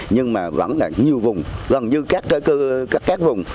nhưng mà vẫn là nhiều vùng gần như các vùng